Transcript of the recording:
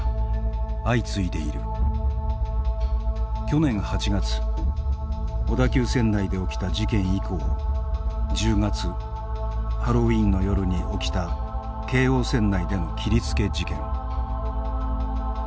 去年８月小田急線内で起きた事件以降１０月ハロウィーンの夜に起きた京王線内での切りつけ事件。